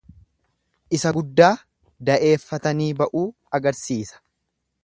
Isa guddaa da'eeffatanii ba'uu agarsiisa.